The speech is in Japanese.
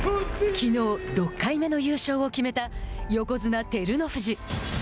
きのう、６回目の優勝を決めた横綱・照ノ富士。